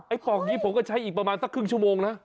ปอกนี้ผมก็ใช้อีกประมาณสักครึ่งชั่วโมงนะ